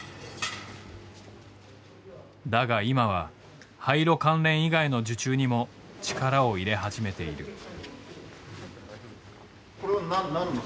だが今は廃炉関連以外の受注にも力を入れ始めている。